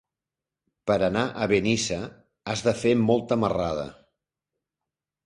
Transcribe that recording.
Per anar a Benissa has de fer molta marrada.